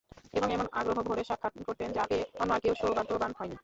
এবং এমন আগ্রহভরে সাক্ষাৎ করতেন যা পেয়ে অন্য আর কেউ সৌভাগ্যবান হয়নি।